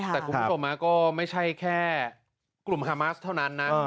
แต่คุณผู้ชมก็ไม่ใช่แค่กลุ่มฮามาสเท่านั้นนะ